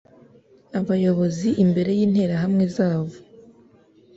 Abayobozi imbere yinterahamwe zabo